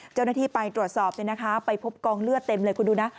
เจ้าหน้าที่ไปตรวจสอบไปพบกองเลือดเต็มเลยคุณดูนะ